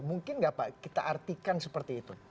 mungkin nggak pak kita artikan seperti itu